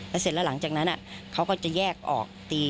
เสร็จแล้วหลังจากนั้นเขาก็จะแยกออกตี